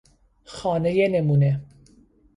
خانهی نمونه